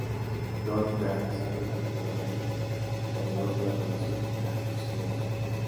Flor fue apresado y torturado en Quito, pero negó toda conexión con la sublevación.